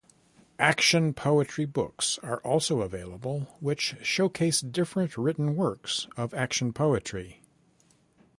Action Poetry books are also available which showcase different written works of Action Poetry.